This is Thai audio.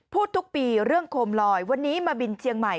ทุกปีเรื่องโคมลอยวันนี้มาบินเจียงใหม่